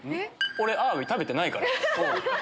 俺アワビ食べてないから。